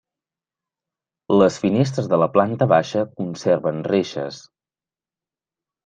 Les finestres de la planta baixa conserven reixes.